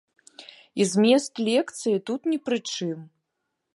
І змест лекцыі тут не пры чым.